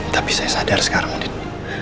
tapi saya sadar sekarang gitu